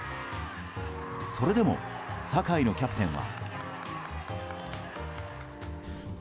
それでも境のキャプテンは。